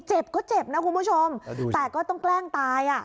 เจ็บก็เจ็บนะคุณผู้ชมแต่ก็ต้องแกล้งตายอ่ะ